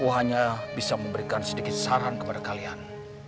aku hanya bisa memberikan sedikit saran kepada kalian